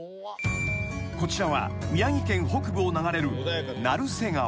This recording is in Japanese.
［こちらは宮城県北部を流れる鳴瀬川］